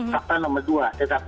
fakta nomor dua tetap